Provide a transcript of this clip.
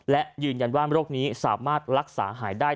และยืนยันว่าโรคนี้สามารถรักษาหายได้